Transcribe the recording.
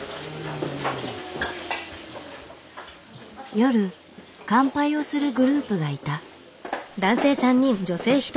夜乾杯をするグループがいた。